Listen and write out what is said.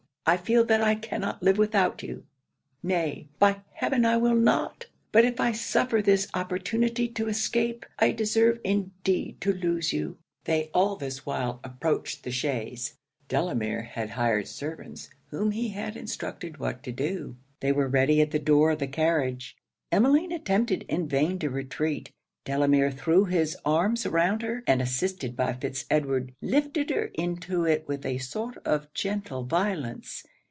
I feel that I cannot live without you; nay, by heaven I will not! But if I suffer this opportunity to escape, I deserve indeed to lose you.' They all this while approached the chaise. Delamere had hired servants, whom he had instructed what to do. They were ready at the door of the carriage. Emmeline attempted in vain to retreat. Delamere threw his arms around her; and assisted by Fitz Edward, lifted her into it with a sort of gentle violence.